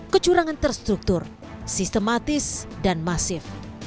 kecurangan terstruktur sistematis dan masif